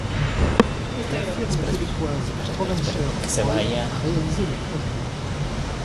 La firme québécoise Provencher Roy a réalisé le projet.